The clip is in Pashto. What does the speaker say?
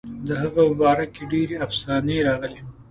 د هغه په باره کې ډېرې افسانې راغلي.